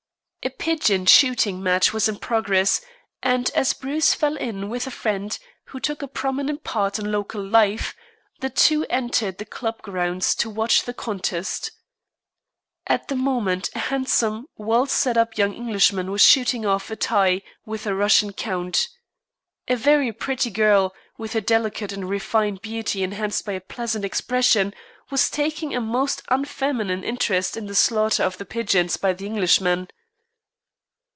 A pigeon shooting match was in progress, and, as Bruce fell in with a friend who took a prominent part in local life, the two entered the club grounds to watch the contest. At the moment a handsome, well set up young Englishman was shooting off a tie with a Russian count. A very pretty girl, with a delicate and refined beauty enhanced by a pleasant expression, was taking a most unfeminine interest in the slaughter of the pigeons by the Englishman.